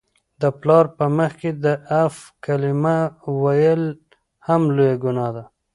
د پلار په مخ کي د "اف" کلمه ویل هم لویه ګناه ده.